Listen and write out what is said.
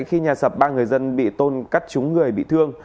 khi nhà sập ba người dân bị tôn cắt trúng người bị thương